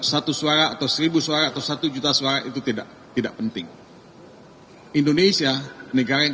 satu suara atau seribu suara atau satu juta suara itu tidak tidak penting indonesia negara yang